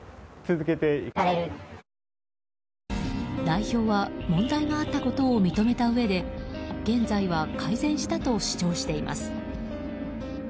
代表は問題があったことを認めたうえで現在は改善したと主張しています。